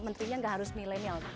menterinya tidak harus milenial